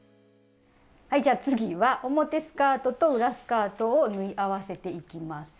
はいじゃあ次は表スカートと裏スカートを縫い合わせていきます。